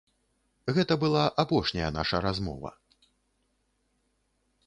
Гэта была апошняя наша размова.